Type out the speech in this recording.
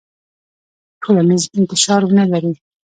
ټولنیز انتشار ونلري.